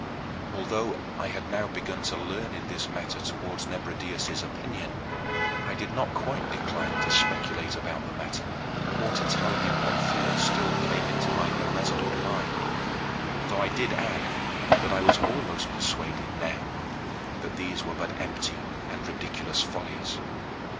Although I had now begun to learn in this matter toward Nebridius' opinion, I did not quite decline to speculate about the matter or to tell him what thoughts still came into my irresolute mind, although I did add that I was almost persuaded now that these were but empty and ridiculous follies.